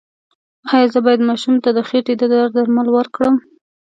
ایا زه باید ماشوم ته د خېټې د درد درمل ورکړم؟